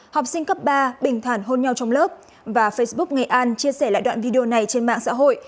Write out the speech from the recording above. học sinh cấp ba bình thản hôn nhau trong lớp và facebook nghệ an chia sẻ lại đoạn video này trên mạng xã hội